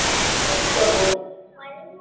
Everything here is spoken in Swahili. walikatazwa waafrika kulima mazao ya chakula